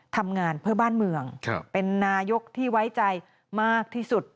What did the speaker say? ทำงานเพื่อบ้านเมืองเป็นนายกที่ไว้ใจมากที่สุด